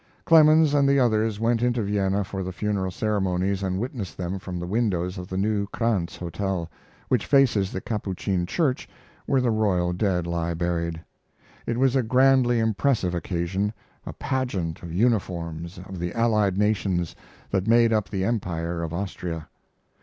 Clemens and the others went into Vienna for the funeral ceremonies and witnessed them from the windows of the new Krantz Hotel, which faces the Capuchin church where the royal dead lie buried. It was a grandly impressive occasion, a pageant of uniforms of the allied nations that made up the Empire of Austria.